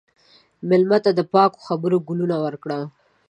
مېلمه ته د پاکو خبرو ګلونه ورکړه.